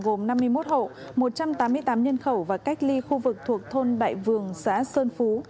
gồm năm mươi một hộ một trăm tám mươi tám nhân khẩu và cách ly khu vực thuộc thôn đại vường xã sơn phú